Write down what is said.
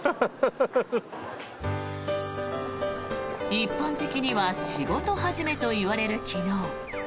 一般的には仕事始めといわれる昨日。